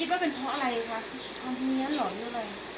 ก็มีส่วนหรือเปล่าเขาไม่รู้นะ